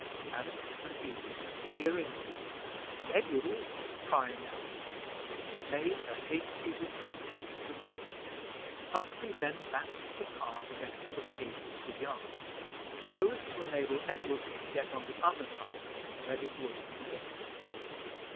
Alice and Edith hearing this, and Edward also crying out to them, made a hasty retreat to the cottage. Humphrey then backed the cart against the paling of the yard, so as to enable Edward to get on the other side of it, ready to open the gate.